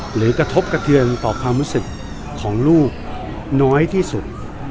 กระทบกระเทือนต่อความรู้สึกของลูกน้อยที่สุด